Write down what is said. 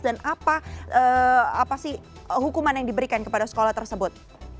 dan apa sih hukuman yang diberikan kepada sekolah tersebut